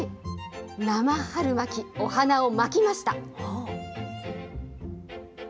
生春巻き、お花を巻きました。